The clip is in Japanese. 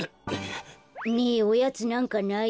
ねえおやつなんかない？